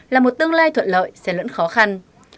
là một tương lai thuận lợi sẽ lẫn khó khăn